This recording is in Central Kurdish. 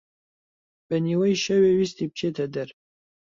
بە نیوەی شەوێ ویستی بچێتە دەر